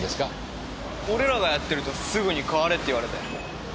俺らがやってるとすぐに代われって言われて。